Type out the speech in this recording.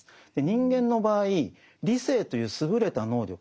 人間の場合理性という優れた能力